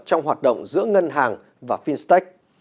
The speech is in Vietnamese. trong hoạt động giữa ngân hàng và fintech